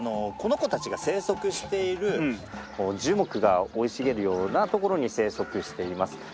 この子たちが生息しているこう樹木が生い茂るような所に生息しています。